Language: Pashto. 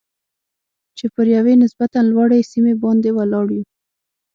چې پر یوې نسبتاً لوړې سیمې باندې ولاړ یو.